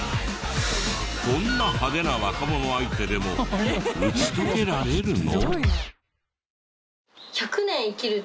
こんな派手な若者相手でも打ち解けられるの？